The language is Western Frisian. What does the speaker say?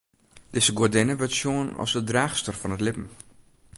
Dizze goadinne wurdt sjoen as de draachster fan it libben.